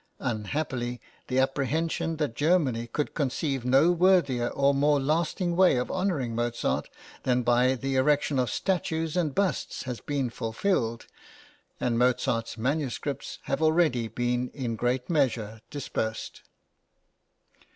(Unhappily, the apprehension that Germany could conceive no worthier or more lasting way of honouring Mozart than by the erection of statues and busts has been fulfilled, and Mozart's manuscripts have already been in great measure dispersed.)